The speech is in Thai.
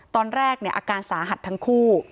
ตอนแรกเนี่ยอาการสาหัดทั้งคู่